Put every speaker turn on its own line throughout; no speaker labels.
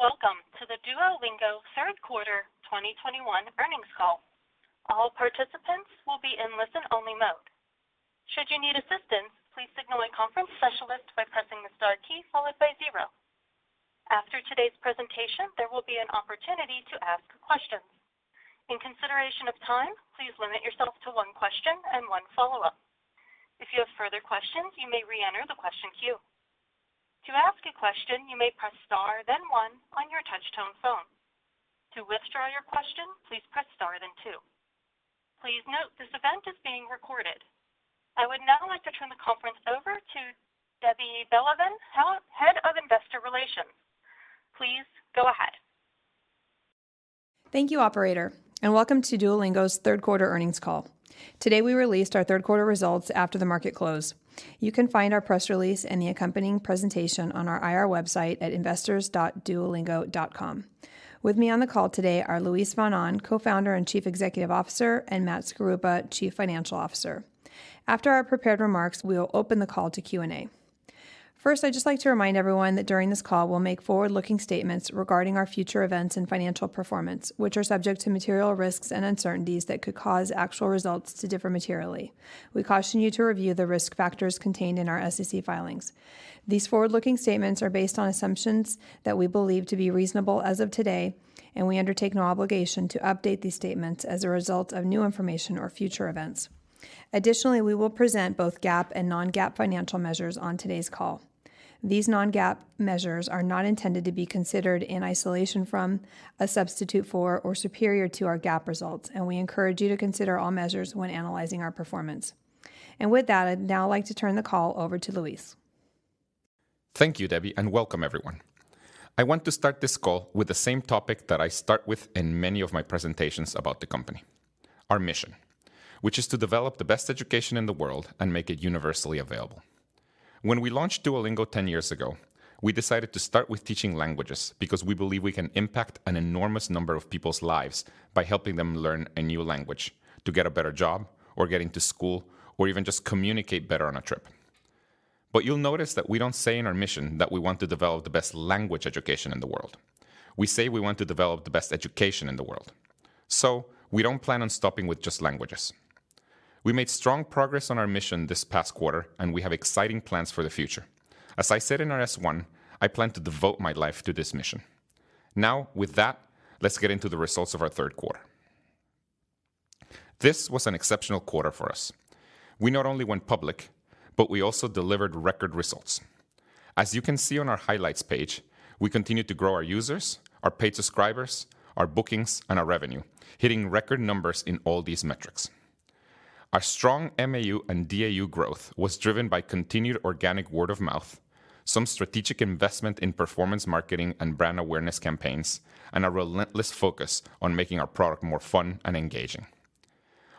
Good day, and welcome to the Duolingo Q3 2021 earnings call. All participants will be in Listen-Only Mode. Should you need assistance, please signal a conference specialist by pressing the star key followed by zero. After today's presentation, there will be an opportunity to ask questions. In consideration of time, please limit yourself to one question and one Follow-Up. If you have further questions, you may re-enter the question queue. To ask a question, you may press star then one on your touch-tone phone. To withdraw your question, please press star then 2. Please note, this event is being recorded. I would now like to turn the conference over to Deborah Belevan, Head of Investor Relations. Please go ahead.
Thank you, operator, and welcome to Duolingo's 1/3 1/4 earnings call. Today, we released our 1/3 1/4 results after the market closed. You can find our press release and the accompanying presentation on our IR website at investors.duolingo.com. With me on the call today are Luis von Ahn, Co-Founder and Chief Executive Officer, and Matt Skaruppa, Chief Financial Officer. After our prepared remarks, we will open the call to Q&A. First, I'd just like to remind everyone that during this call we'll make Forward-Looking statements regarding our future events and financial performance, which are subject to material risks and uncertainties that could cause actual results to differ materially. We caution you to review the risk factors contained in our SEC filings. These Forward-Looking statements are based on assumptions that we believe to be reasonable as of today, and we undertake no obligation to update these statements as a result of new information or future events. Additionally, we will present both GAAP and Non-GAAP financial measures on today's call. These Non-GAAP measures are not intended to be considered in isolation from, a substitute for, or superior to our GAAP results, and we encourage you to consider all measures when analyzing our performance. With that, I'd now like to turn the call over to Luis.
Thank you, Deborah, and welcome everyone. I want to start this call with the same topic that I start with in many of my presentations about the company, our mission, which is to develop the best education in the world and make it universally available. When we launched Duolingo 10 years ago, we decided to start with teaching languages because we believe we can impact an enormous number of people's lives by helping them learn a new language to get a better job or get into school or even just communicate better on a trip. You'll notice that we don't say in our mission that we want to develop the best language education in the world. We say we want to develop the best education in the world. We don't plan on stopping with just languages. We made strong progress on our mission this past 1/4, and we have exciting plans for the future. As I said in our S-1, I plan to devote my life to this mission. Now, with that, let's get into the results of our 1/3 1/4. This was an exceptional 1/4 for us. We not only went public, but we also delivered record results. As you can see on our highlights page, we continued to grow our users, our paid subscribers, our bookings, and our revenue, hitting record numbers in all these metrics. Our strong MAU and DAU growth was driven by continued organic word of mouth, some strategic investment in performance marketing and brand awareness campaigns, and a relentless focus on making our product more fun and engaging.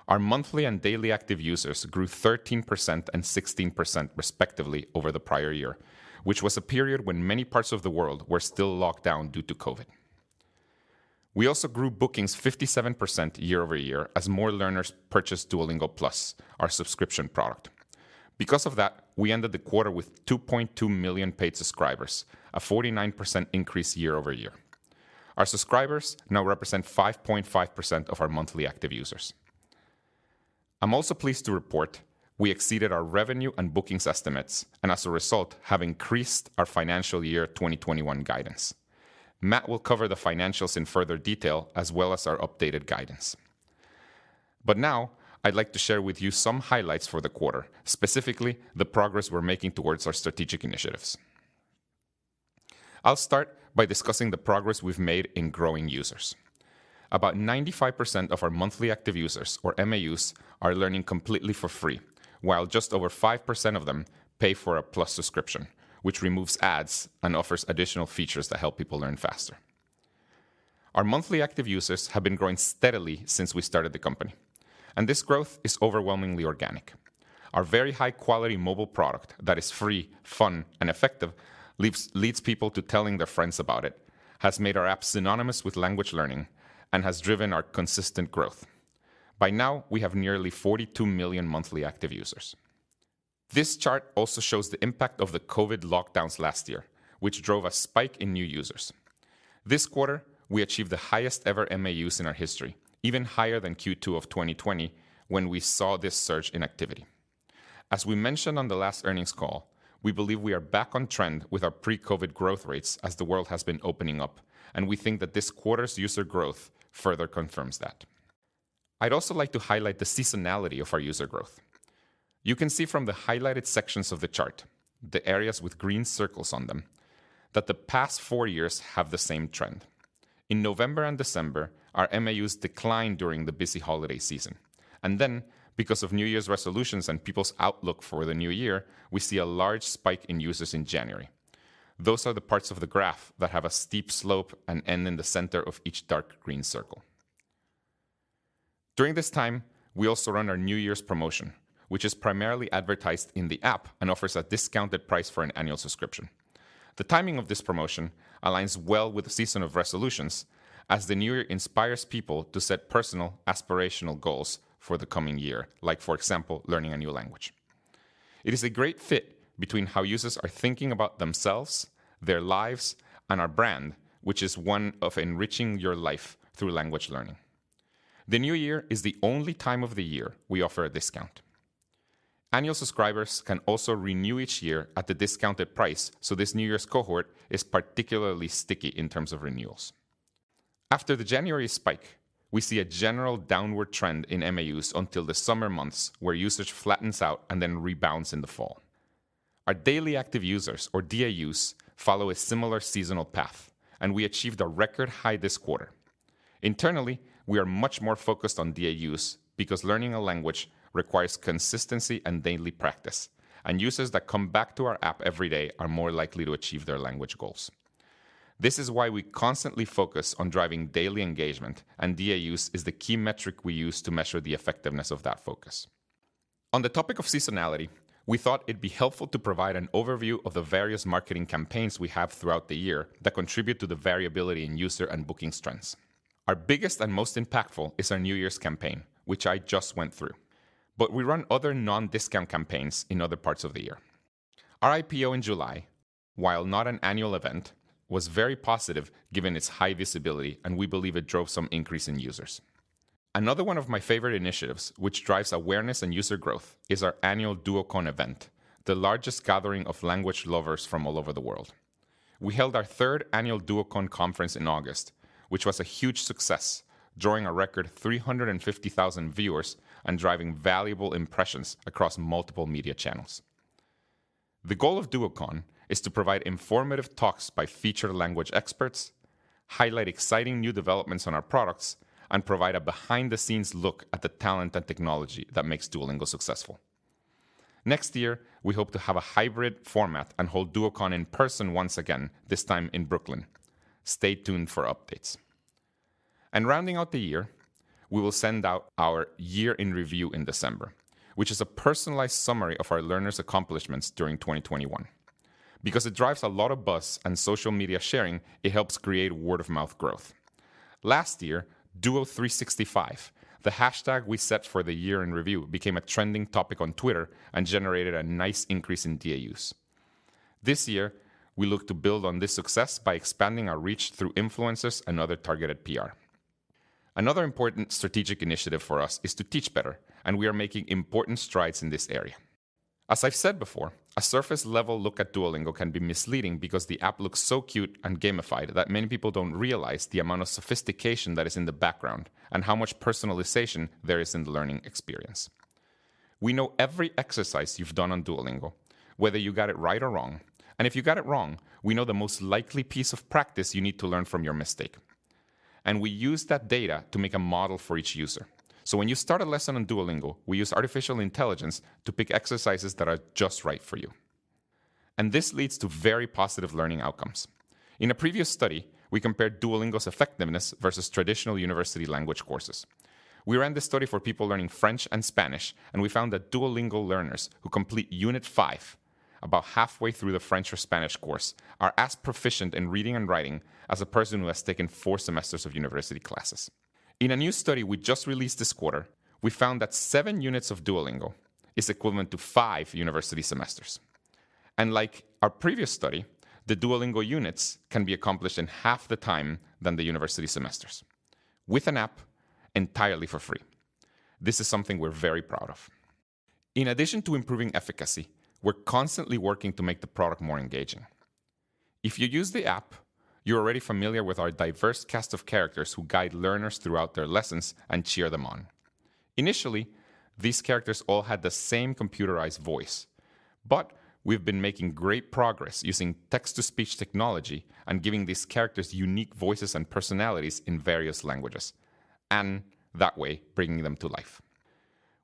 Our monthly and daily active users grew 13% and 16% respectively over the prior year, which was a period when many parts of the world were still locked down due to COVID. We also grew bookings 57% year over year as more learners purchased Duolingo Plus, our subscription product. Because of that, we ended the 1/4 with 2.2 million paid subscribers, a 49% increase year over year. Our subscribers now represent 5.5% of our monthly active users. I'm also pleased to report we exceeded our revenue and bookings estimates and, as a result, have increased our financial year 2021 guidance. Matt will cover the financials in further detail, as well as our updated guidance. Now I'd like to share with you some highlights for the 1/4, specifically the progress we're making towards our strategic initiatives. I'll start by discussing the progress we've made in growing users. About 95% of our monthly active users, or MAUs, are learning completely for free, while just over 5% of them pay for a Plus subscription, which removes ads and offers additional features to help people learn faster. Our monthly active users have been growing steadily since we started the company, and this growth is overwhelmingly organic. Our very high-quality mobile product that is free, fun, and effective leads people to telling their friends about it, has made our app synonymous with language learning, and has driven our consistent growth. By now, we have nearly 42 million monthly active users. This chart also shows the impact of the COVID lockdowns last year, which drove a spike in new users. This 1/4, we achieved the highest ever MAUs in our history, even higher than Q2 of 2020 when we saw this surge in activity. As we mentioned on the last earnings call, we believe we are back on trend with our Pre-COVID growth rates as the world has been opening up, and we think that this 1/4's user growth further confirms that. I'd also like to highlight the seasonality of our user growth. You can see from the highlighted sections of the chart, the areas with green circles on them, that the past 4 years have the same trend. In November and December, our MAUs decline during the busy holiday season, and then because of New Year's resolutions and people's outlook for the new year, we see a large spike in users in January. Those are the parts of the graph that have a steep slope and end in the center of each dark green circle. During this time, we also run our New Year's promotion, which is primarily advertised in the app and offers a discounted price for an annual subscription. The timing of this promotion aligns well with the season of resolutions as the new year inspires people to set personal aspirational goals for the coming year, like, for example, learning a new language. It is a great fit between how users are thinking about themselves, their lives, and our brand, which is one of enriching your life through language learning. The new year is the only time of the year we offer a discount. Annual subscribers can also renew each year at the discounted price, so this New Year's cohort is particularly sticky in terms of renewals. After the January spike, we see a general downward trend in MAUs until the summer months, where usage flattens out and then rebounds in the fall. Our daily active users, or DAUs, follow a similar seasonal path, and we achieved a record high this 1/4. Internally, we are much more focused on DAUs because learning a language requires consistency and daily practice, and users that come back to our app every day are more likely to achieve their language goals. This is why we constantly focus on driving daily engagement, and DAUs is the key metric we use to measure the effectiveness of that focus. On the topic of seasonality, we thought it'd be helpful to provide an overview of the various marketing campaigns we have throughout the year that contribute to the variability in user and booking strengths. Our biggest and most impactful is our New Year's campaign, which I just went through, but we run other Non-Discount campaigns in other parts of the year. Our IPO in July, while not an annual event, was very positive given its high visibility, and we believe it drove some increase in users. Another one of my favorite initiatives which drives awareness and user growth is our annual Duocon event, the largest gathering of language lovers from all over the world. We held our 1/3 annual Duocon conference in August, which was a huge success, drawing a record 350,000 viewers and driving valuable impressions across multiple media channels. The goal of Duocon is to provide informative talks by featured language experts, highlight exciting new developments on our products, and provide a behind-the-scenes look at the talent and technology that makes Duolingo successful. Next year, we hope to have a hybrid format and hold Duocon in person once again, this time in Brooklyn. Stay tuned for updates. Rounding out the year, we will send out our year in review in December, which is a personalized summary of our learners' accomplishments during 2021. Because it drives a lot of buzz and social media sharing, it helps create word-of-mouth growth. Last year, Duo365, the hashtag we set for the year in review, became a trending topic on Twitter and generated a nice increase in DAUs. This year, we look to build on this success by expanding our reach through influencers and other targeted PR. Another important strategic initiative for us is to teach better, and we are making important strides in this area. As I've said before, a surface level look at Duolingo can be misleading because the app looks so cute and gamified that many people don't realize the amount of sophistication that is in the background and how much personalization there is in the learning experience. We know every exercise you've done on Duolingo, whether you got it right or wrong, and if you got it wrong, we know the most likely piece of practice you need to learn from your mistake, and we use that data to make a model for each user. When you start a lesson on Duolingo, we use artificial intelligence to pick exercises that are just right for you, and this leads to very positive learning outcomes. In a previous study, we compared Duolingo's effectiveness versus traditional university language courses. We ran this study for people learning French and Spanish, and we found that Duolingo learners who complete unit 5, about 1/2way through the French or Spanish course, are as proficient in reading and writing as a person who has taken 4 semesters of university classes. In a new study we just released this 1/4, we found that 7 units of Duolingo is equivalent to 5 university semesters. Like our previous study, the Duolingo units can be accomplished in 1/2 the time than the university semesters with an app entirely for free. This is something we're very proud of. In addition to improving efficacy, we're constantly working to make the product more engaging. If you use the app, you're already familiar with our diverse cast of characters who guide learners throughout their lessons and cheer them on. Initially, these characters all had the same computerized voice, but we've been making great progress using text-to-speech technology and giving these characters unique voices and personalities in various languages, and that way, bringing them to life.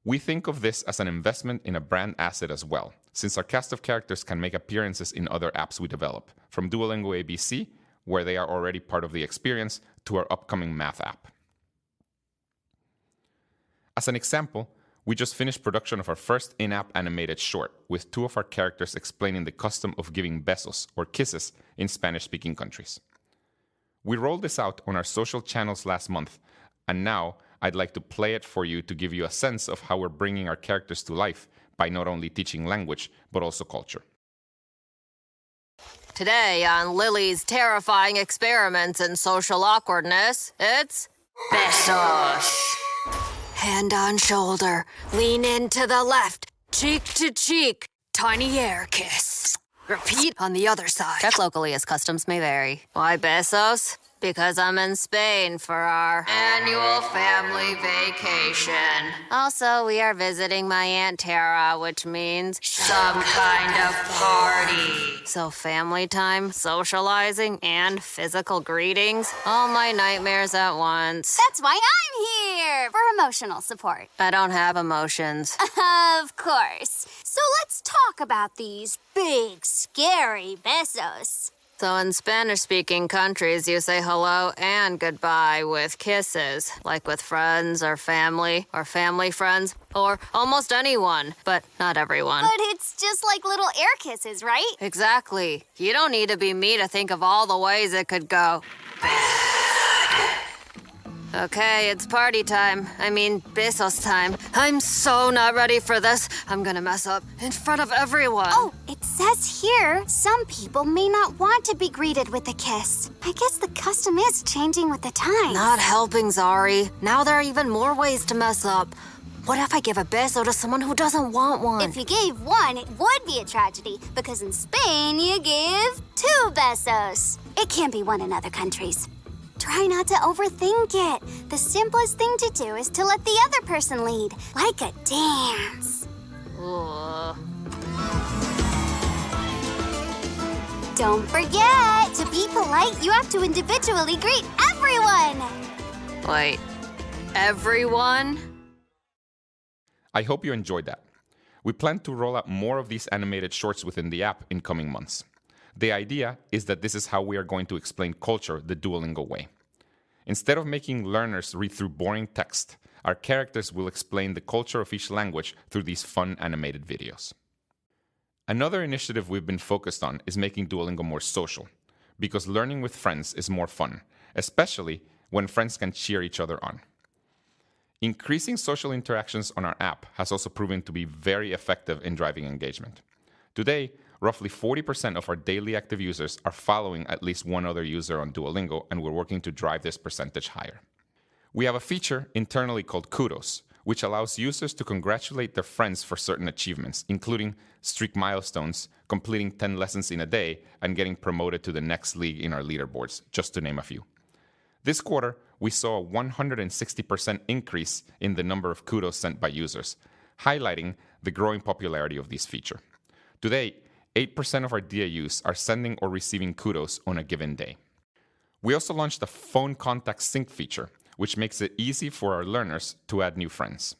We think of this as an investment in a brand asset as well, since our cast of characters can make appearances in other apps we develop, from Duolingo ABC, where they are already part of the experience, to our upcoming math app. As an example, we just finished production of our first In-App animated short with 2 of our characters explaining the custom of giving besos, or kisses, in Spanish-speaking countries. We rolled this out on our social channels last month, and now I'd like to play it for you to give you a sense of how we're bringing our characters to life by not only teaching language, but also culture.
Today on Lily's Terrifying Experiments in Social Awkwardness, it's besos. Hand on shoulder, lean in to the left, cheek to cheek, tiny air kiss. Repeat on the other side. Check locally, as customs may vary. Why besos? Because I'm in Spain for our annual family vacation. Also, we are visiting my Aunt Zari, which means some kind of party. Family time, socializing, and physical greetings? All my nightmares at once.
That's why I'm here, for emotional support.
I don't have emotions.
Of course. Let's talk about these big, scary besos.
In Spanish-speaking countries, you say hello and goodbye with kisses, like with friends or family or family friends or almost anyone, but not everyone.
It's just like little air kisses, right?
Exactly. You don't need to be me to think of all the ways it could go bad.
Okay, it's party time. I mean, besos time. I'm so not ready for this. I'm gonna mess up in front of everyone.
Oh, it says here some people may not want to be greeted with a kiss. I guess the custom is changing with the times.
Not helping, Zari. Now there are even more ways to mess up. What if I give a beso to someone who doesn't want one?
If you gave one, it would be a tragedy, because in Spain, you give 2 besos. It can be one in other countries. Try not to overthink it. The simplest thing to do is to let the other person lead, like a dance.
Ugh.
Don't forget, to be polite, you have to individually greet everyone.
Wait, everyone?
I hope you enjoyed that. We plan to roll out more of these animated shorts within the app in coming months. The idea is that this is how we are going to explain culture the Duolingo way. Instead of making learners read through boring text, our characters will explain the culture of each language through these fun animated videos. Another initiative we've been focused on is making Duolingo more social, because learning with friends is more fun, especially when friends can cheer each other on. Increasing social interactions on our app has also proven to be very effective in driving engagement. Today, roughly 40% of our daily active users are following at least one other user on Duolingo, and we're working to drive this percentage higher. We have a feature internally called Kudos, which allows users to congratulate their friends for certain achievements, including streak milestones, completing 10 lessons in a day, and getting promoted to the next league in our leaderboards, just to name a few. This 1/4, we saw a 160% increase in the number of Kudos sent by users, highlighting the growing popularity of this feature. Today, 8% of our DAUs are sending or receiving Kudos on a given day. We also launched a phone contact sync feature, which makes it easy for our learners to add new friends.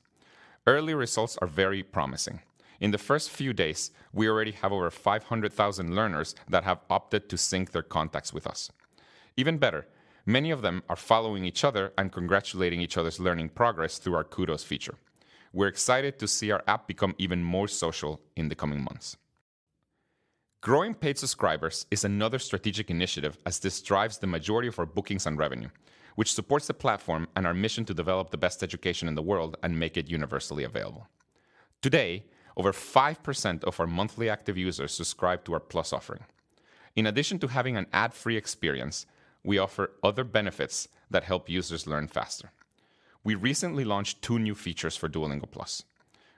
Early results are very promising. In the first few days, we already have over 500,000 learners that have opted to sync their contacts with us. Even better, many of them are following each other and congratulating each other's learning progress through our Kudos feature. We're excited to see our app become even more social in the coming months. Growing paid subscribers is another strategic initiative as this drives the majority of our bookings and revenue, which supports the platform and our mission to develop the best education in the world and make it universally available. Today, over 5% of our monthly active users subscribe to our Duolingo Plus offering. In addition to having an ad-free experience, we offer other benefits that help users learn faster. We recently launched 2 new features for Duolingo Plus.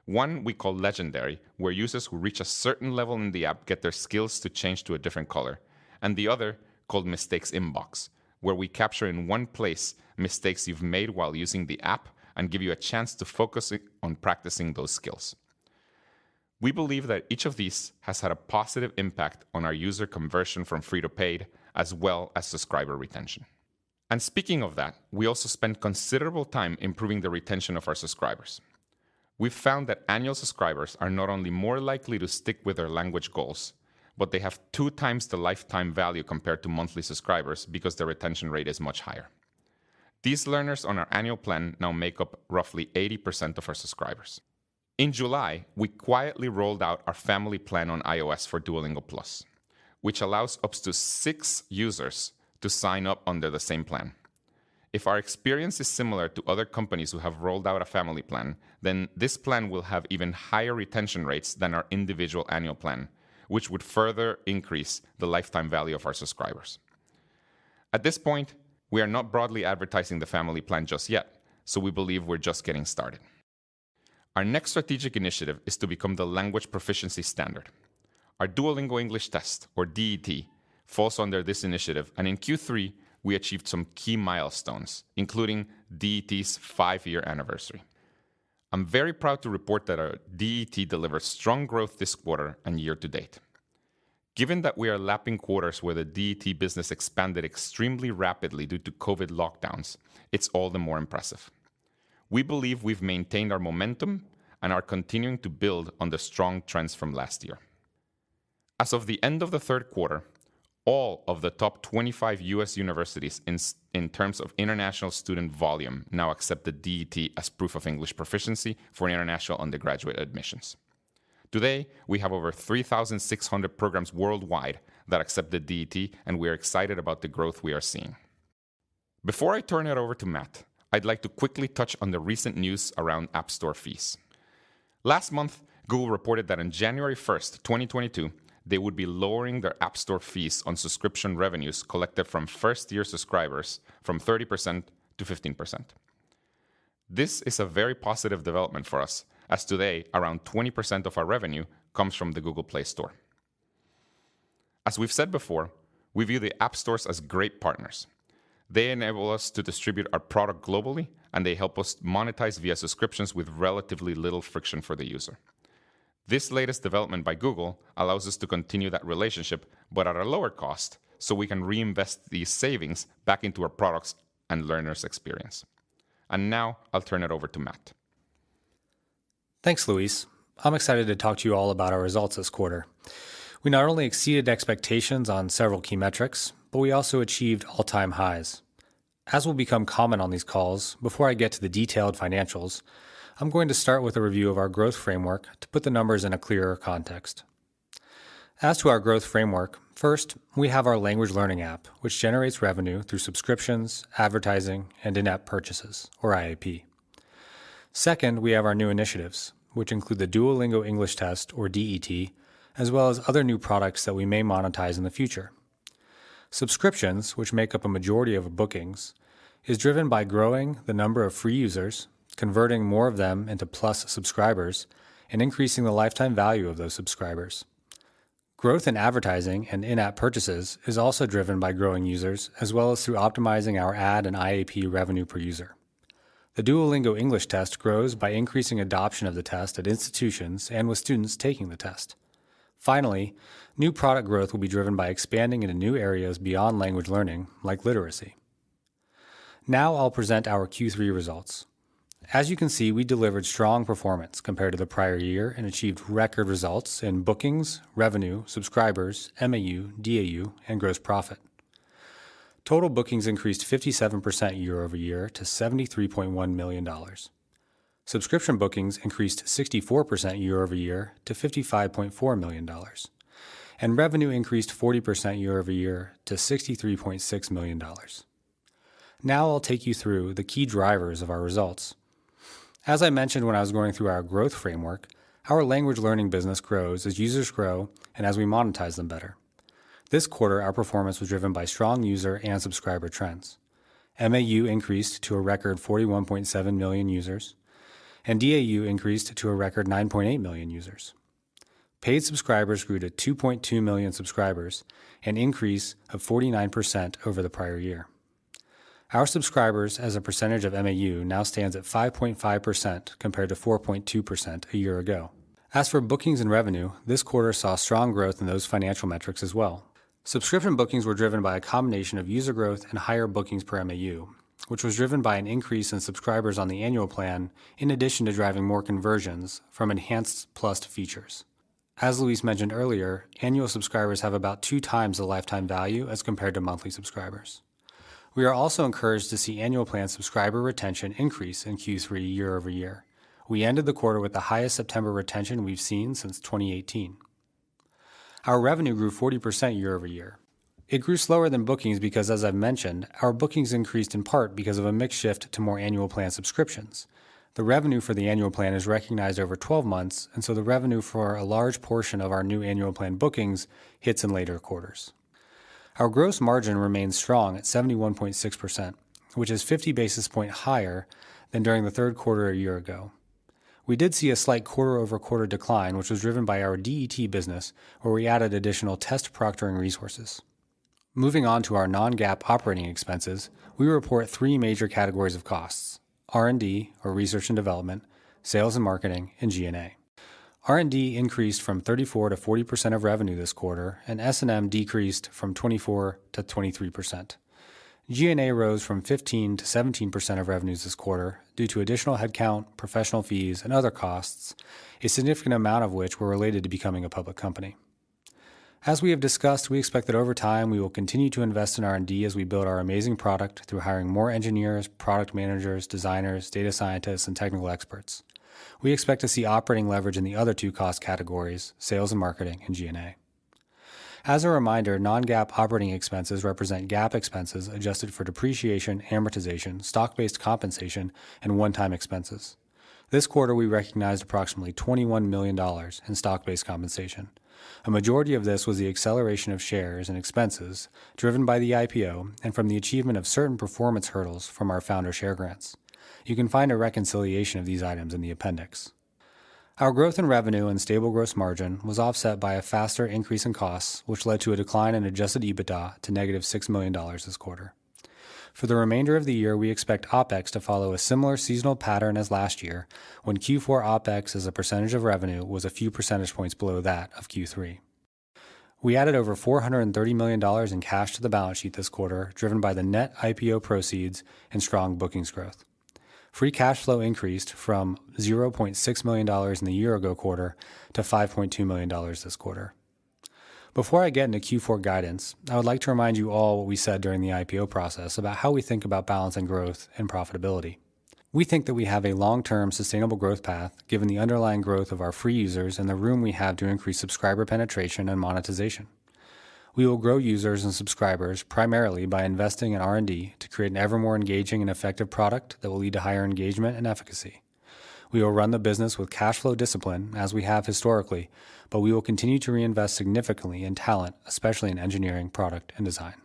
One we call Legendary, where users who reach a certain level in the app get their skills to change to a different color, and the other, called Mistakes Inbox, where we capture in one place mistakes you've made while using the app and give you a chance to focus on practicing those skills. We believe that each of these has had a positive impact on our user conversion from free to paid, as well as subscriber retention. Speaking of that, we also spend considerable time improving the retention of our subscribers. We've found that annual subscribers are not only more likely to stick with their language goals, but they have 2 times the lifetime value compared to monthly subscribers because their retention rate is much higher. These learners on our annual plan now make up roughly 80% of our subscribers. In July, we quietly rolled out our Family Plan on iOS for Duolingo Plus, which allows up to 6 users to sign up under the same plan. If our experience is similar to other companies who have rolled out a Family Plan, then this plan will have even higher retention rates than our individual annual plan, which would further increase the lifetime value of our subscribers. At this point, we are not broadly advertising the Family Plan just yet, so we believe we're just getting started. Our next strategic initiative is to become the language proficiency standard. Our Duolingo English Test, or DET, falls under this initiative, and in Q3, we achieved some key milestones, including DET's 5-year anniversary. I'm very proud to report that our DET delivered strong growth this 1/4 and year to date. Given that we are lapping quarters where the DET business expanded extremely rapidly due to COVID lockdowns, it's all the more impressive. We believe we've maintained our momentum and are continuing to build on the strong trends from last year. As of the end of the 1/3 1/4, all of the top 25 U.S. universities in terms of international student volume now accept the DET as proof of English proficiency for international undergraduate admissions. Today, we have over 3,600 programs worldwide that accept the DET, and we are excited about the growth we are seeing. Before I turn it over to Matt, I'd like to quickly touch on the recent news around app store fees. Last month, Google reported that on January first, 2022, they would be lowering their app store fees on subscription revenues collected from first-year subscribers from 30% to 15%. This is a very positive development for us, as today around 20% of our revenue comes from the Google Play Store. As we've said before, we view the app stores as great partners. They enable us to distribute our product globally, and they help us monetize via subscriptions with relatively little friction for the user. This latest development by Google allows us to continue that relationship, but at a lower cost, so we can reinvest these savings back into our products and learners' experience. Now I'll turn it over to Matt.
Thanks, Luis. I'm excited to talk to you all about our results this 1/4. We not only exceeded expectations on several key metrics, but we also achieved all-time highs. As will become common on these calls, before I get to the detailed financials, I'm going to start with a review of our growth framework to put the numbers in a clearer context. As to our growth framework, first, we have our language learning app, which generates revenue through subscriptions, advertising, and In-App purchases, or IAP. Second, we have our new initiatives, which include the Duolingo English Test, or DET, as well as other new products that we may monetize in the future. Subscriptions, which make up a majority of bookings, is driven by growing the number of free users, converting more of them into Plus subscribers, and increasing the lifetime value of those subscribers. Growth in advertising and In-App purchases is also driven by growing users, as well as through optimizing our ad and IAP revenue per user. The Duolingo English Test grows by increasing adoption of the test at institutions and with students taking the test. Finally, new product growth will be driven by expanding into new areas beyond language learning, like literacy. Now I'll present our Q3 results. As you can see, we delivered strong performance compared to the prior year and achieved record results in bookings, revenue, subscribers, MAU, DAU, and gross profit. Total bookings increased 57% Year-Over-Year to $73.1 million. Subscription bookings increased 64% Year-Over-Year to $55.4 million, and revenue increased 40% Year-Over-Year to $63.6 million. Now I'll take you through the key drivers of our results. As I mentioned when I was going through our growth framework, our language learning business grows as users grow and as we monetize them better. This 1/4, our performance was driven by strong user and subscriber trends. MAU increased to a record 41.7 million users, and DAU increased to a record 9.8 million users. Paid subscribers grew to 2.2 million subscribers, an increase of 49% over the prior year. Our subscribers as a percentage of MAU now stands at 5.5% compared to 4.2% a year ago. As for bookings and revenue, this 1/4 saw strong growth in those financial metrics as well. Subscription bookings were driven by a combination of user growth and higher bookings per MAU, which was driven by an increase in subscribers on the annual plan in addition to driving more conversions from enhanced Plus features. As Luis mentioned earlier, annual subscribers have about 2x the lifetime value as compared to monthly subscribers. We are also encouraged to see annual plan subscriber retention increase in Q3 Year-Over-Year. We ended the 1/4 with the highest September retention we've seen since 2018. Our revenue grew 40% Year-Over-Year. It grew slower than bookings because, as I've mentioned, our bookings increased in part because of a mix shift to more annual plan subscriptions. The revenue for the annual plan is recognized over 12 months, and so the revenue for a large portion of our new annual plan bookings hits in later quarters. Our gross margin remains strong at 71.6%, which is 50 basis points higher than during the 1/3 1/4 a year ago. We did see a slight quarter-over-quarter decline, which was driven by our DET business, where we added additional test proctoring resources. Moving on to our Non-GAAP operating expenses, we report 3 major categories of costs, R&D, or research and development, sales and marketing, and G&A. R&D increased from 34%-40% of revenue this 1/4, and S&M decreased from 24%-23%. G&A rose from 15%-17% of revenues this 1/4 due to additional headcount, professional fees, and other costs, a significant amount of which were related to becoming a public company. As we have discussed, we expect that over time, we will continue to invest in R&D as we build our amazing product through hiring more engineers, product managers, designers, data scientists, and technical experts. We expect to see operating leverage in the other 2 cost categories, sales and marketing, and G&A. As a reminder, Non-GAAP operating expenses represent GAAP expenses adjusted for depreciation, amortization, stock-based compensation, and one-time expenses. This 1/4, we recognized approximately $21 million in stock-based compensation. A majority of this was the acceleration of shares and expenses driven by the IPO and from the achievement of certain performance hurdles from our founder share grants. You can find a reconciliation of these items in the appendix. Our growth in revenue and stable gross margin was offset by a faster increase in costs, which led to a decline in adjusted EBITDA to -$6 million this 1/4. For the remainder of the year, we expect OpEx to follow a similar seasonal pattern as last year, when Q4 OpEx as a percentage of revenue was a few percentage points below that of Q3. We added over $430 million in cash to the balance sheet this 1/4, driven by the net IPO proceeds and strong bookings growth. Free cash flow increased from $0.6 million in the year ago 1/4 to $5.2 million this 1/4. Before I get into Q4 guidance, I would like to remind you all what we said during the IPO process about how we think about balancing growth and profitability. We think that we have a long-term sustainable growth path, given the underlying growth of our free users and the room we have to increase subscriber penetration and monetization. We will grow users and subscribers primarily by investing in R&D to create an ever more engaging and effective product that will lead to higher engagement and efficacy. We will run the business with cash flow discipline, as we have historically, but we will continue to reinvest significantly in talent, especially in engineering, product, and design.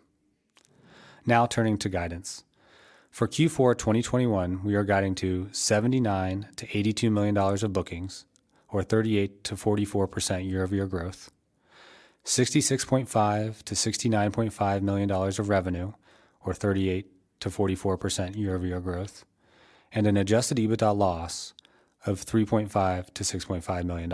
Now turning to guidance. For Q4 2021, we are guiding to $79 million-$82 million of bookings, or 38%-44% Year-Over-Year growth, $66.5 million-$69.5 million of revenue, or 38%-44% Year-Over-Year growth, and an adjusted EBITDA loss of $3.5 million-$6.5 million.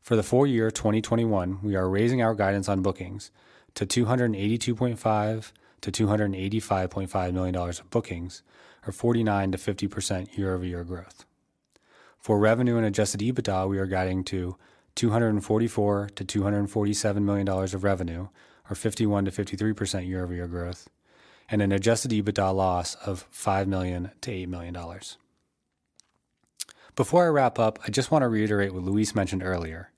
For the full year 2021, we are raising our guidance on bookings to $282.5 million-$285.5 million of bookings, or 49%-50% Year-Over-Year growth. For revenue and adjusted EBITDA, we are guiding to $244 million-$247 million of revenue, or 51%-53% year over year growth, and an adjusted EBITDA loss of $5 million-$8 million. Before I wrap up, I just want to reiterate what Luis mentioned earlier,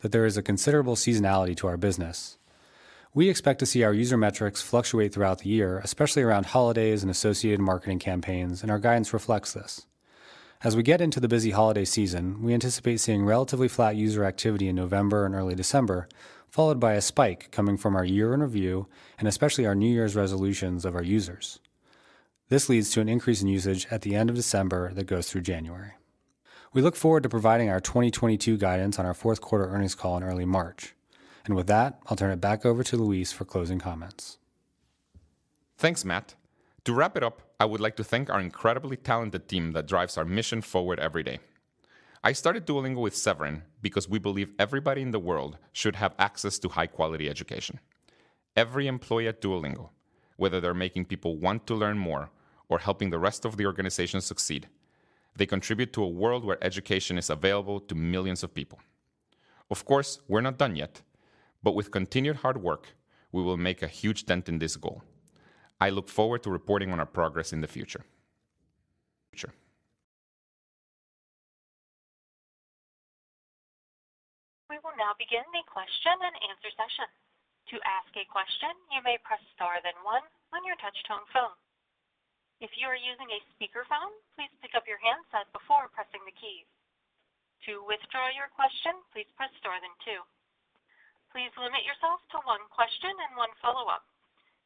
that there is a considerable seasonality to our business. We expect to see our user metrics fluctuate throughout the year, especially around holidays and associated marketing campaigns, and our guidance reflects this. As we get into the busy holiday season, we anticipate seeing relatively flat user activity in November and early December, followed by a spike coming from our year-end review and especially our New Year's resolutions of our users. This leads to an increase in usage at the end of December that goes through January. We look forward to providing our 2022 guidance on our fourth 1/4 earnings call in early March. With that, I'll turn it back over to Luis for closing comments.
Thanks, Matt. To wrap it up, I would like to thank our incredibly talented team that drives our mission forward every day. I started Duolingo with Severin because we believe everybody in the world should have access to high-quality education. Every employee at Duolingo, whether they're making people want to learn more or helping the rest of the organization succeed, they contribute to a world where education is available to millions of people. Of course, we're not done yet, but with continued hard work, we will make a huge dent in this goal. I look forward to reporting on our progress in the future.
We will now begin the question and answer session. To ask a question, you may press star then one on your touch-tone phone. If you are using a speakerphone, please pick up your handset before pressing the keys. To withdraw your question, please press star then 2. Please limit yourself to one question and one Follow-Up.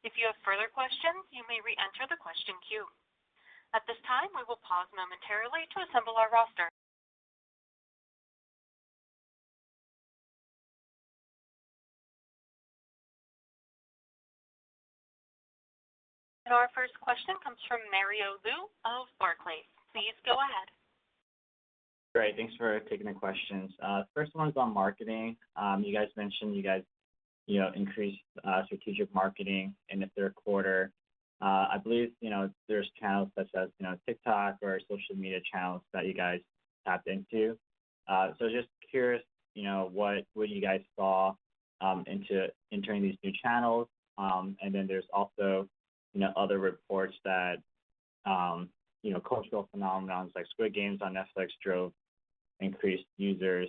If you have further questions, you may reenter the question queue. At this time, we will pause momentarily to assemble our roster. Our first question comes from Mario Lu of Barclays. Please go ahead.
Great. Thanks for taking the questions. First one's on marketing. You guys mentioned you know increased strategic marketing in the 1/3 1/4. I believe you know there's channels such as you know TikTok or social media channels that you guys tapped into. Just curious you know what you guys saw into entering these new channels. Then there's also you know other reports that you know cultural phenomena like Squid Game on Netflix drove increased users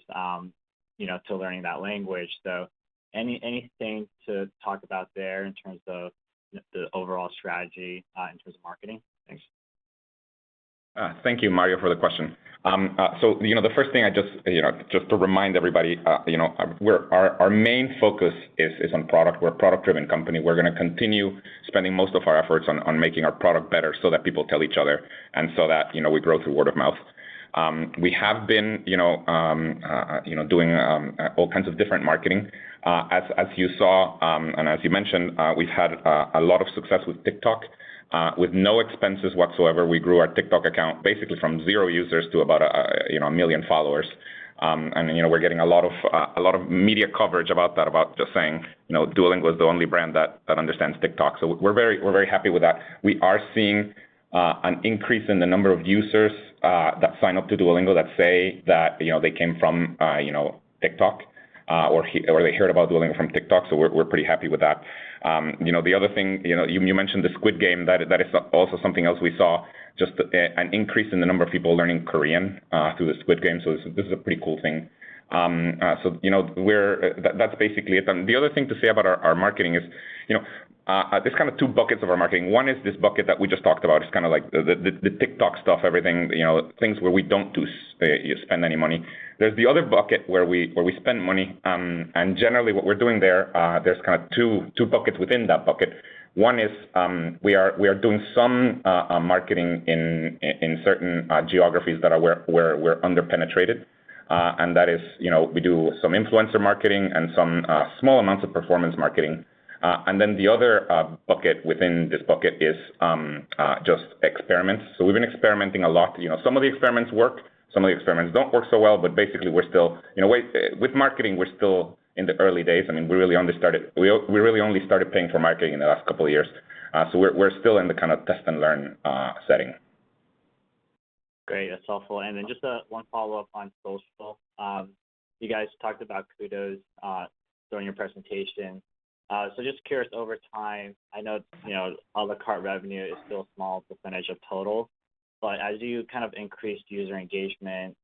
you know to learning that language. Anything to talk about there in terms of the overall strategy in terms of marketing? Thanks.
Thank you, Mario, for the question. You know, the first thing I just, you know, just to remind everybody, you know, our main focus is on product. We're a Product-Driven company. We're gonna continue spending most of our efforts on making our product better so that people tell each other, and so that, you know, we grow through word of mouth. We have been, you know, doing all kinds of different marketing. As you saw, and as you mentioned, we've had a lot of success with TikTok. With no expenses whatsoever, we grew our TikTok account basically from 0 users to about, you know, 1 million followers. You know, we're getting a lot of media coverage about that, about just saying, you know, Duolingo is the only brand that understands TikTok. We're very happy with that. We are seeing an increase in the number of users that sign up to Duolingo that say that, you know, they came from, you know, TikTok or they heard about Duolingo from TikTok, so we're pretty happy with that. You know, the other thing you mentioned the Squid Game. That is also something else we saw, just an increase in the number of people learning Korean through the Squid Game, so this is a pretty cool thing. That's basically it. The other thing to say about our marketing is, you know, there's kind of 2 buckets of our marketing. One is this bucket that we just talked about. It's kind of like the TikTok stuff, everything, you know, things where we don't spend any money. There's the other bucket where we spend money, and generally what we're doing there's kind of 2 buckets within that bucket. One is, we are doing some marketing in certain geographies that are where we're under-penetrated, and that is, you know, we do some influencer marketing and some small amounts of performance marketing. And then the other bucket within this bucket is just experiments. We've been experimenting a lot. You know, some of the experiments work, some of the experiments don't work so well, but basically with marketing, we're still in the early days. I mean, we really only started paying for marketing in the last couple years, so we're still in the kind of test and learn setting.
Great. That's helpful. Just one Follow-Up on social. You guys talked about Kudos during your presentation. Just curious over time, I know, you know, a la carte revenue is still a small percentage of total, but as you kind of increase user engagement,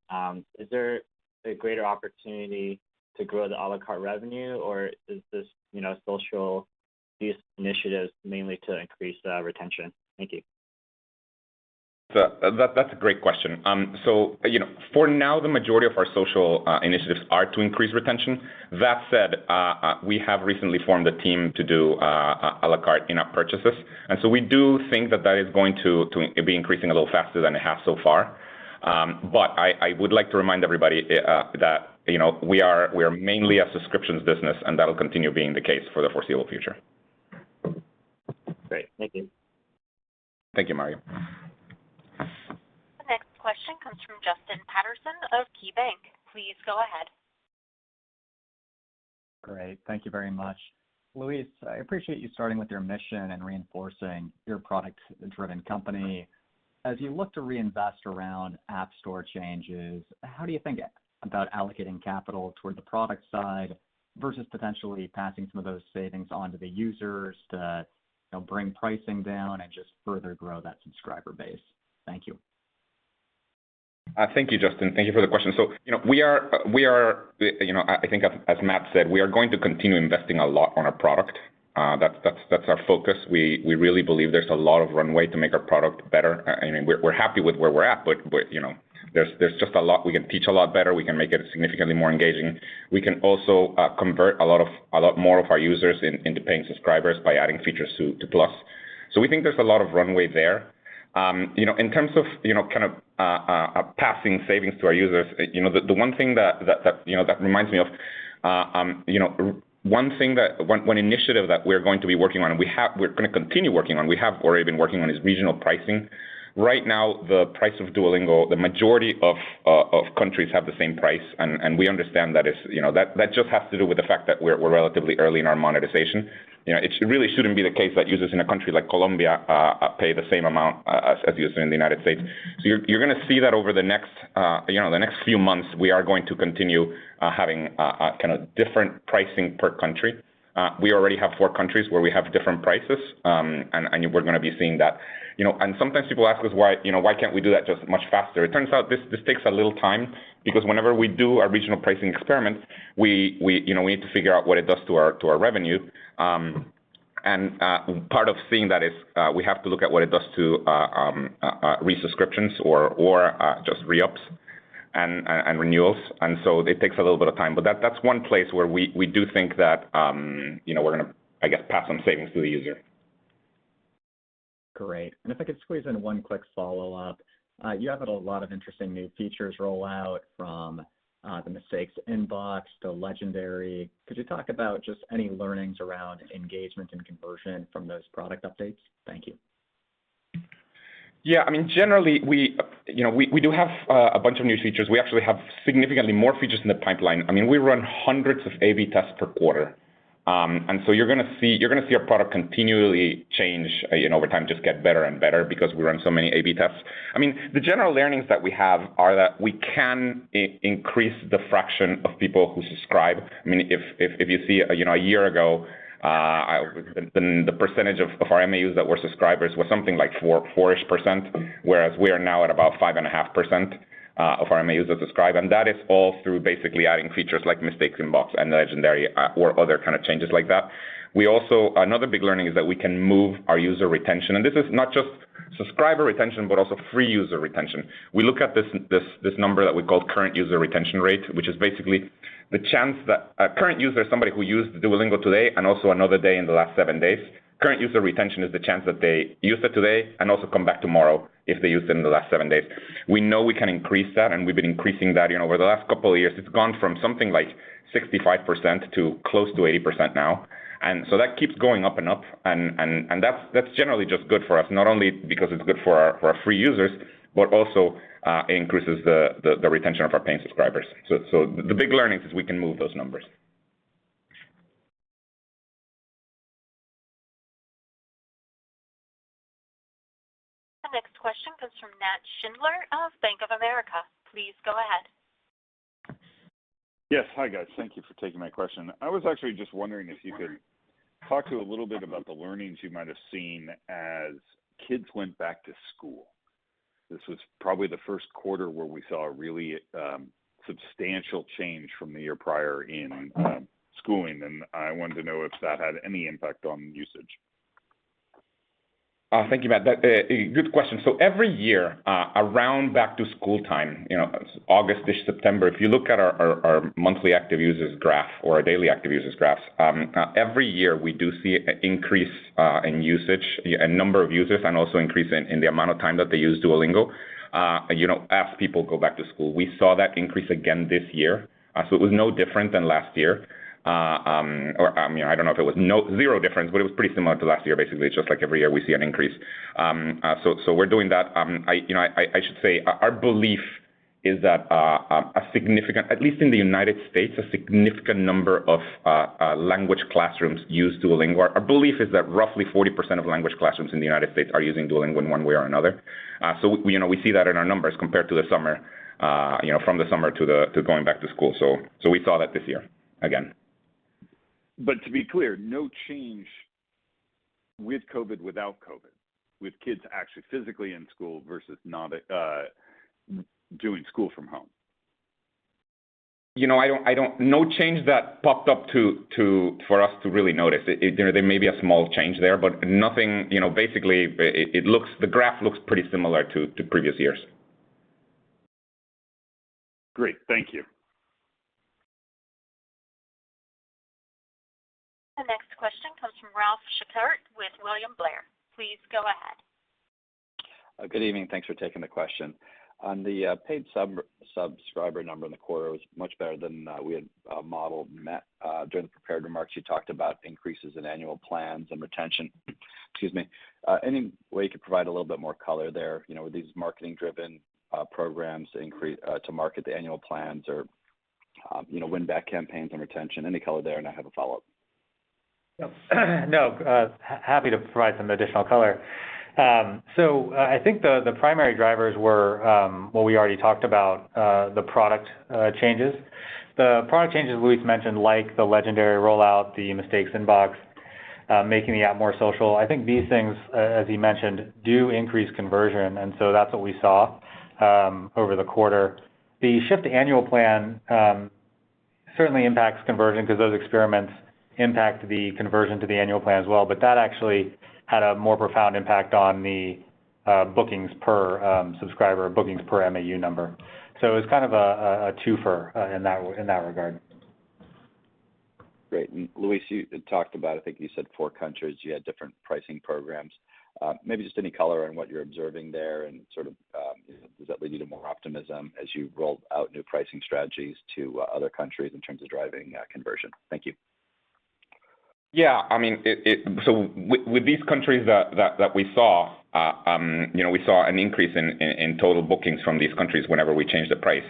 is there a greater opportunity to grow the a la carte revenue, or is this, you know, social user initiatives mainly to increase retention? Thank you.
That's a great question. You know, for now, the majority of our social initiatives are to increase retention. That said, we have recently formed a team to do à la carte In-App purchases, and we do think that is going to be increasing a little faster than it has so far. I would like to remind everybody that, you know, we are mainly a subscriptions business, and that'll continue being the case for the foreseeable future.
Great. Thank you.
Thank you, Mario.
The next question comes from Justin Patterson of KeyBanc. Please go ahead.
Great. Thank you very much. Luis, I appreciate you starting with your mission and reinforcing you're a Product-Driven company. As you look to reinvest around app store changes, how do you think about allocating capital toward the product side versus potentially passing some of those savings on to the users to, you know, bring pricing down and just further grow that subscriber base? Thank you.
Thank you, Justin. Thank you for the question. You know, we are going to continue investing a lot on our product. That's our focus. We really believe there's a lot of runway to make our product better. I mean, we're happy with where we're at, but you know, there's just a lot we can teach a lot better. We can make it significantly more engaging. We can also convert a lot more of our users into paying subscribers by adding features to Plus. We think there's a lot of runway there. You know, in terms of, you know, kind of, passing savings to our users, you know, the one thing that that you know that reminds me of, you know, one initiative that we're going to be working on, and we're gonna continue working on, we have already been working on is regional pricing. Right now, the price of Duolingo, the majority of countries have the same price. We understand that is, you know, that just has to do with the fact that we're relatively early in our monetization. You know, it really shouldn't be the case that users in a country like Colombia pay the same amount as users in the United States. You're gonna see that over the next, you know, the next few months, we are going to continue having kind of different pricing per country. We already have 4 countries where we have different prices. We're gonna be seeing that. You know, sometimes people ask us why, you know, why can't we do that just much faster? It turns out this takes a little time because whenever we do our regional pricing experiments, you know, we need to figure out what it does to our revenue. Part of seeing that is we have to look at what it does to resubscriptions or just re-ups and renewals. It takes a little bit of time. That's one place where we do think that, you know, we're gonna, I guess, pass on savings to the user.
Great. If I could squeeze in one quick Follow-Up. You have had a lot of interesting new features roll out from the Mistakes Inbox to Legendary. Could you talk about just any learnings around engagement and conversion from those product updates? Thank you.
Yeah, I mean, generally we do have a bunch of new features. We actually have significantly more features in the pipeline. I mean, we run hundreds of A/B tests per 1/4. You're gonna see our product continually change, you know, over time, just get better and better because we run so many A/B tests. I mean, the general learnings that we have are that we can increase the fraction of people who subscribe. I mean, if you see, you know, a year ago, the percentage of our MAUs that were subscribers was something like 4-ish%, whereas we are now at about 5.5% of our MAUs that subscribe, and that is all through basically adding features like Mistakes Inbox and Legendary, or other kind of changes like that. Another big learning is that we can move our user retention, and this is not just subscriber retention, but also free user retention. We look at this number that we call Current User Retention Rate, which is basically the chance that a current user, somebody who used Duolingo today and also another day in the last 7 days, Current User Retention Rate is the chance that they use it today and also come back tomorrow if they used it in the last 7 days. We know we can increase that, and we've been increasing that, you know, over the last couple of years. It's gone from something like 65% to close to 80% now. That keeps going up and up, and that's generally just good for us, not only because it's good for our free users, but also increases the retention of our paying subscribers. The big learnings is we can move those numbers.
The next question comes from Nat Schindler of Bank of America. Please go ahead.
Yes. Hi, guys. Thank you for taking my question. I was actually just wondering if you could talk to a little bit about the learnings you might have seen as kids went back to school. This was probably the first 1/4 where we saw a really, substantial change from the year prior in, schooling, and I wanted to know if that had any impact on usage.
Thank you, Nat. That's a good question. Every year, around Back-To-School time, you know, August-ish, September, if you look at our monthly active users graph or our daily active users graphs, every year, we do see an increase in usage, a number of users and also an increase in the amount of time that they use Duolingo, you know, as people go back to school. We saw that increase again this year. It was no different than last year, or you know, I don't know if it was no zero difference, but it was pretty similar to last year, basically. Just like every year we see an increase. We're doing that. You know, I should say our belief is that, at least in the United States, a significant number of language classrooms use Duolingo. Our belief is that roughly 40% of language classrooms in the United States are using Duolingo in one way or another. We, you know, see that in our numbers compared to the summer, from the summer to going back to school. We saw that this year again.
To be clear, no change with COVID, without COVID, with kids actually physically in school versus not, doing school from home?
You know, I don't. No change that popped up too for us to really notice. You know, there may be a small change there, but nothing, you know, basically the graph looks pretty similar to previous years.
Great. Thank you.
The next question comes from Ralph Schackart with William Blair. Please go ahead.
Good evening. Thanks for taking the question. On the paid subscriber number in the 1/4 was much better than we had modeled. Matt, during the prepared remarks, you talked about increases in annual plans and retention. Excuse me. Any way you could provide a little bit more color there, you know, with these marketing-driven programs to market the annual plans or, you know, win-back campaigns and retention, any color there? And I have a Follow-Up.
No, happy to provide some additional color. I think the primary drivers were what we already talked about, the product changes Luis mentioned, like the Legendary rollout, the Mistakes Inbox.
Making the app more social. I think these things, as you mentioned, do increase conversion, and so that's what we saw over the 1/4. The shift to annual plan certainly impacts conversion 'cause those experiments impact the conversion to the annual plan as well, but that actually had a more profound impact on the bookings per subscriber, bookings per MAU number. It's kind of a 2-fer in that regard.
Great. Luis, you had talked about, I think you said 4 countries, you had different pricing programs. Maybe just any color on what you're observing there and sort of, does that lead to more optimism as you roll out new pricing strategies to other countries in terms of driving conversion? Thank you.
Yeah. I mean, with these countries that we saw, you know, we saw an increase in total bookings from these countries whenever we changed the price.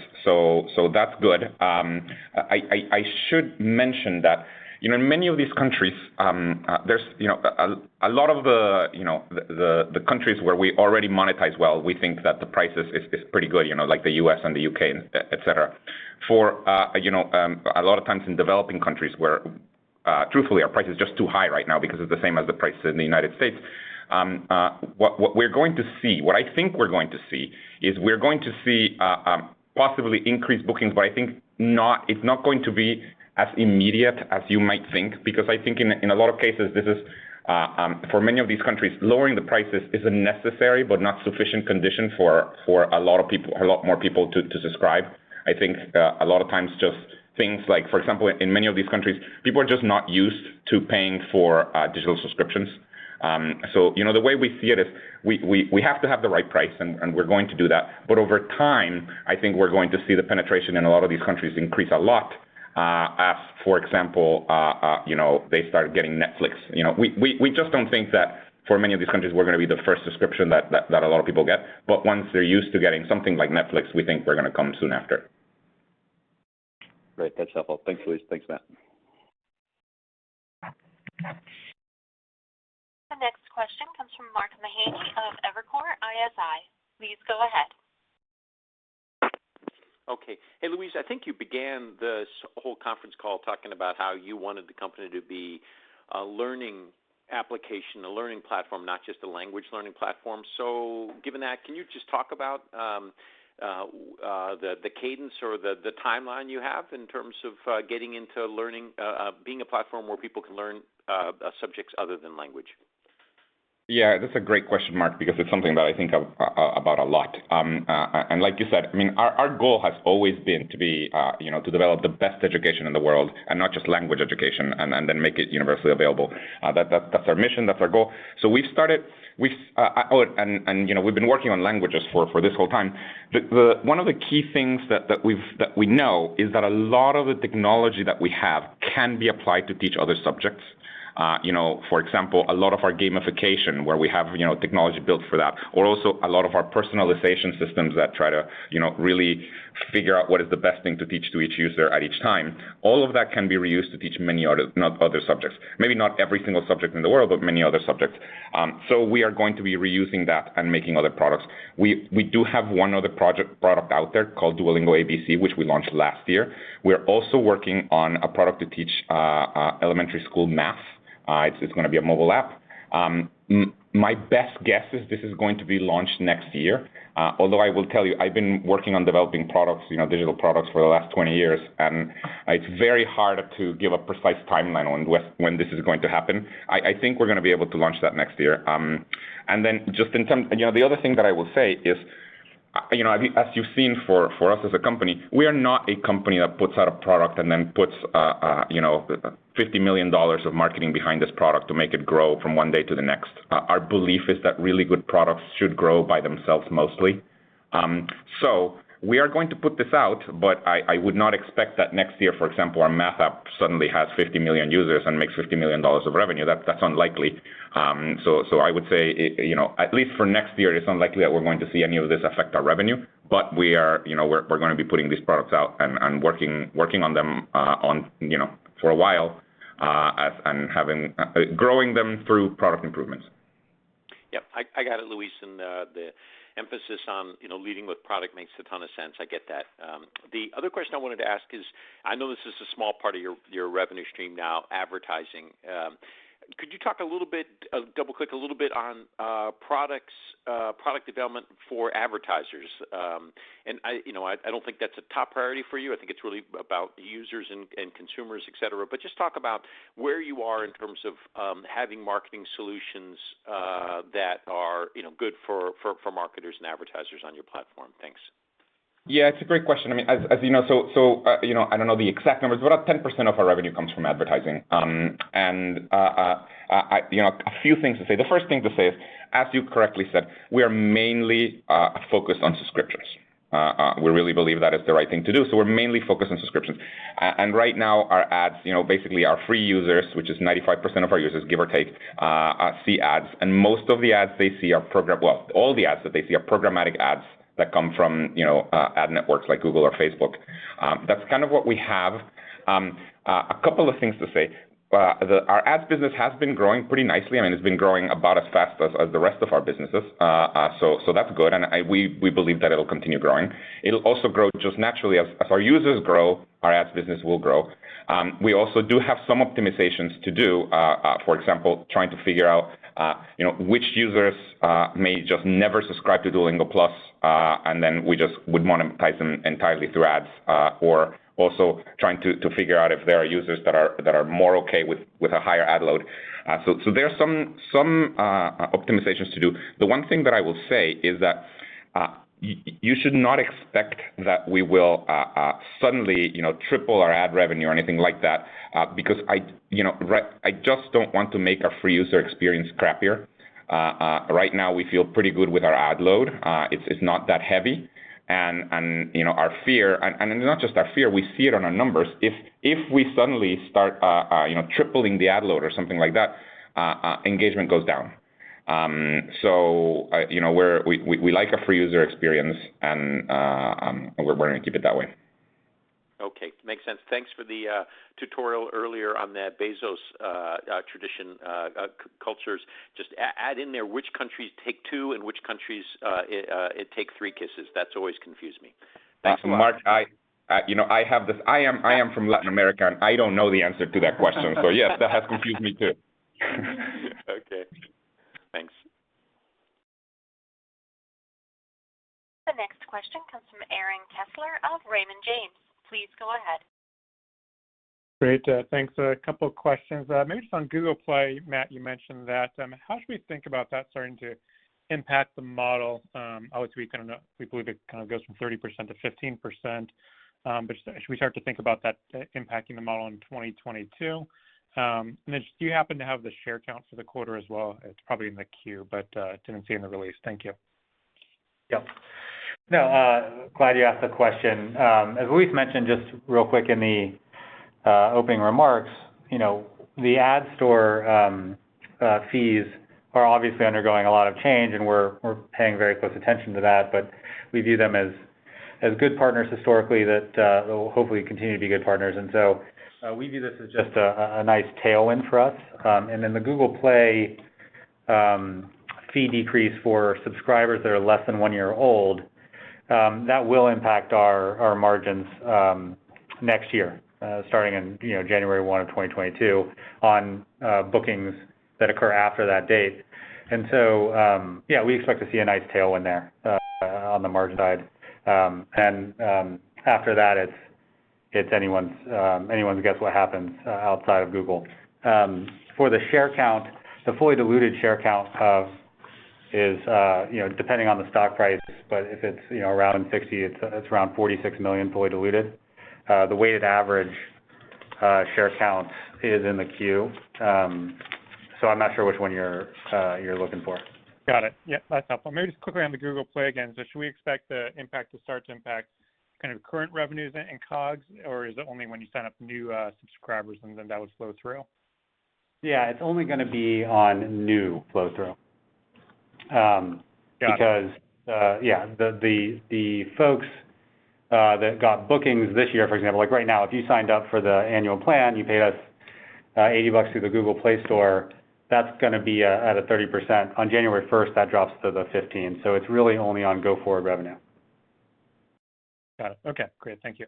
That's good. I should mention that, you know, many of these countries, there's a lot of the countries where we already monetize well, we think that the price is pretty good, you know, like the U.S. and the U.K., etc. For a lot of times in developing countries where, truthfully, our price is just too high right now because it's the same as the price in the United States. What I think we're going to see is possibly increased bookings, but I think it's not going to be as immediate as you might think, because I think in a lot of cases, this is for many of these countries, lowering the prices is a necessary but not sufficient condition for a lot of people, a lot more people to subscribe. I think a lot of times just things like, for example, in many of these countries, people are just not used to paying for digital subscriptions. You know, the way we see it is we have to have the right price, and we're going to do that. Over time, I think we're going to see the penetration in a lot of these countries increase a lot, as for example, you know, they start getting Netflix. You know, we just don't think that for many of these countries, we're gonna be the first subscription that a lot of people get. Once they're used to getting something like Netflix, we think we're gonna come soon after.
Great. That's helpful. Thanks, Luis. Thanks, Matt.
The next question comes from Mark Mahaney of Evercore ISI. Please go ahead.
Okay. Hey, Luis, I think you began this whole conference call talking about how you wanted the company to be a learning application, a learning platform, not just a language learning platform. Given that, can you just talk about the cadence or the timeline you have in terms of getting into learning, being a platform where people can learn subjects other than language?
Yeah, that's a great question, Mark, because it's something that I think of about a lot. Like you said, I mean, our goal has always been to be, you know, to develop the best education in the world and not just language education, and then make it universally available. That's our mission, that's our goal. You know, we've been working on languages for this whole time. One of the key things that we know is that a lot of the technology that we have can be applied to teach other subjects. You know, for example, a lot of our gamification where we have, you know, technology built for that or also a lot of our personalization systems that try to, you know, really figure out what is the best thing to teach to each user at each time. All of that can be reused to teach many other subjects. Maybe not every single subject in the world, but many other subjects. So we are going to be reusing that and making other products. We do have one other product out there called Duolingo ABC, which we launched last year. We're also working on a product to teach elementary school math. It's going to be a mobile app. My best guess is this is going to be launched next year. Although I will tell you, I've been working on developing products, you know, digital products for the last 20 years, and it's very hard to give a precise timeline on when this is going to happen. I think we're gonna be able to launch that next year. You know, the other thing that I will say is, you know, as you've seen for us as a company, we are not a company that puts out a product and then puts you know, $50 million of marketing behind this product to make it grow from one day to the next. Our belief is that really good products should grow by themselves mostly. We are going to put this out, but I would not expect that next year, for example, our math app suddenly has 50 million users and makes $50 million of revenue. That's unlikely. I would say, you know, at least for next year, it's unlikely that we're going to see any of this affect our revenue. We are, you know, we're gonna be putting these products out and working on them, you know, for a while, growing them through product improvements.
Yep. I got it, Luis, and the emphasis on, you know, leading with product makes a ton of sense. I get that. The other question I wanted to ask is, I know this is a small part of your revenue stream now, advertising. Could you talk a little bit, Double-Click a little bit on product development for advertisers? I don't think that's a top priority for you. I think it's really about users and consumers, et cetera. Just talk about where you are in terms of having marketing solutions that are, you know, good for marketers and advertisers on your platform. Thanks.
Yeah, it's a great question. I mean, you know, I don't know the exact numbers, but about 10% of our revenue comes from advertising. I, you know, a few things to say. The first thing to say is, as you correctly said, we are mainly focused on subscriptions. We really believe that is the right thing to do, so we're mainly focused on subscriptions. Right now our ads, you know, basically our free users, which is 95% of our users, give or take, see ads, and most of the ads they see are. Well, all the ads that they see are programmatic ads that come from, you know, ad networks like Google or Facebook. That's kind of what we have. A couple of things to say. Our ads business has been growing pretty nicely. I mean, it's been growing about as fast as the rest of our businesses. That's good. We believe that it'll continue growing. It'll also grow just naturally as our users grow, our ads business will grow. We also do have some optimizations to do, for example, trying to figure out, you know, which users may just never subscribe to Duolingo Plus, then we just would monetize them entirely through ads, or also trying to figure out if there are users that are more okay with a higher ad load. There are some optimizations to do. The one thing that I will say is that you should not expect that we will suddenly, you know, triple our ad revenue or anything like that, because I, you know, I just don't want to make our free user experience crappier. Right now we feel pretty good with our ad load. It's not that heavy. You know, our fear, not just our fear, we see it on our numbers. If we suddenly start, you know, tripling the ad load or something like that, engagement goes down. You know, we like our free user experience, and we're going to keep it that way.
Okay. Makes sense. Thanks for the tutorial earlier on that besos tradition, cultures. Just add in there which countries take 2 and which countries take 3 kisses. That's always confused me. Thanks so much.
Mark, you know, I am from Latin America, and I don't know the answer to that question. Yes, that has confused me too.
Okay. Thanks.
The next question comes from Aaron Kessler of Raymond James. Please go ahead.
Great. Thanks. A couple questions. Maybe just on Google Play, Matt, you mentioned that, how should we think about that starting to impact the model? Obviously we believe it kind of goes from 30% to 15%, but should we start to think about that impacting the model in 2022? And then do you happen to have the share count for the 1/4 as well? It's probably in the queue, but didn't see in the release. Thank you.
Yeah. No, glad you asked that question. As Luis mentioned just real quick in the opening remarks, you know, the App Store fees are obviously undergoing a lot of change, and we're paying very close attention to that. We view them as good partners historically that will hopefully continue to be good partners. We view this as just a nice tailwind for us. The Google Play fee decrease for subscribers that are less than 1 year old, that will impact our margins next year, starting in, you know, January 1, 2022 on bookings that occur after that date. Yeah, we expect to see a nice tailwind there on the margin side. After that it's anyone's guess what happens outside of Google. For the share count, the fully diluted share count, you know, depending on the stock price, but if it's, you know, around 60, it's around 46 million fully diluted. The weighted average share count is in the Q. I'm not sure which one you're looking for.
Got it. Yeah, that's helpful. Maybe just quickly on the Google Play again. So should we expect the impact to start to impact kind of current revenues and COGS, or is it only when you sign up new subscribers and then that would flow through?
Yeah, it's only gonna be on new flow through.
Got it.
Because the folks that got bookings this year, for example, like right now, if you signed up for the annual plan, you paid us $80 through the Google Play Store, that's gonna be at a 30%. On January first, that drops to the 15%. So it's really only on go forward revenue.
Got it. Okay. Great. Thank you.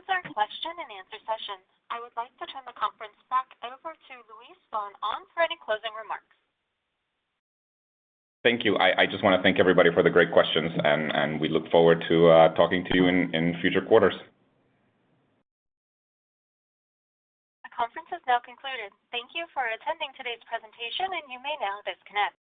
This concludes our question and answer session. I would like to turn the conference back over to Luis von Ahn for any closing remarks.
Thank you. I just wanna thank everybody for the great questions, and we look forward to talking to you in future quarters.
The conference has now concluded. Thank you for attending today's presentation, and you may now disconnect.